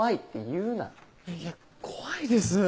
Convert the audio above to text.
いや怖いですぅ。